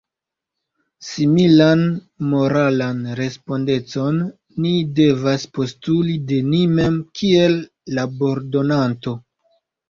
Similan moralan respondecon ni devas postuli de ni mem kiel labordonanto.